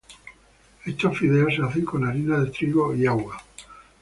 Estos fideos se hacen con harina de trigo y agua.